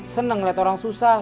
seneng liat orang susah